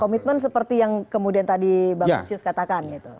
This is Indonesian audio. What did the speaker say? komitmen seperti yang kemudian tadi bang lusius katakan gitu